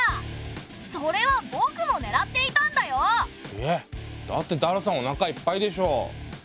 ええだってダルさんおなかいっぱいでしょ。